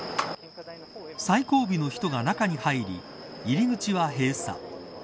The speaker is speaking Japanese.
最後尾の人が中に入り入り口は閉鎖。